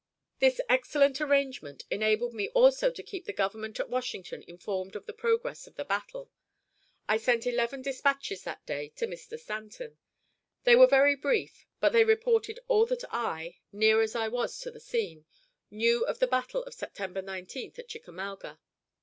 This excellent arrangement enabled me also to keep the Government at Washington informed of the progress of the battle. I sent eleven dispatches that day to Mr. Stanton. They were very brief, but they reported all that I, near as I was to the scene, knew of the battle of September 19th at Chickamauga.